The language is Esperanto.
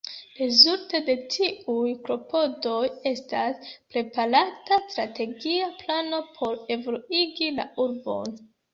Rezulte de tiuj klopodoj estas preparata strategia plano por evoluigi la urbon.